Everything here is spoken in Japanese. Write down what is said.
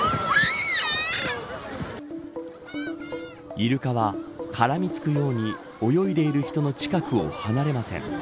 イルカは絡み付くように泳いでいる人の近くを離れません。